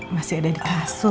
masih ada di kasur